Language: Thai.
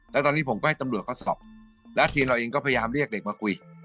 แล้วตอนนี้ผมก็ให้ตำรวจเขาสอบแล้วทีมเราเองก็พยายามเรียกเด็กมาคุย